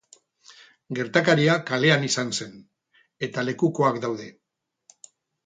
Gertakaria kalean izan zen, eta lekukoak daude.